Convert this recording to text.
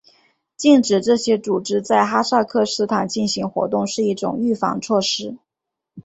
禁止这些组织在哈萨克斯坦进行活动是一种预防措施。